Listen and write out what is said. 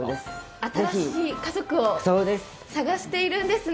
新しい家族を探しているんですね。